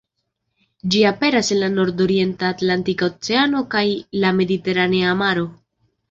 Ĝi aperas en la nord-orienta Atlantika Oceano kaj la Mediteranea Maro.